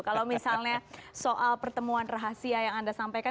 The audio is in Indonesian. kalau misalnya soal pertemuan rahasia yang anda sampaikan